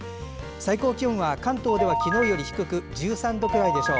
最高気温は関東では昨日より低く１３度くらいでしょう。